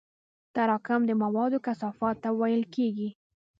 تراکم د موادو کثافت ته ویل کېږي.